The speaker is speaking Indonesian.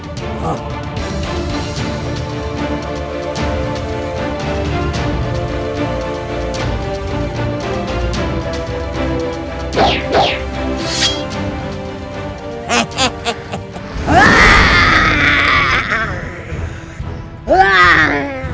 terima kasih ren